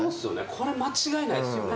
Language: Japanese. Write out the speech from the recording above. これ間違いないですよね